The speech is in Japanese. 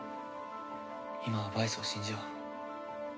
今はバイスを信じよう。